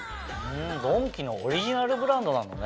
ドンキのオリジナルブランドなんだね。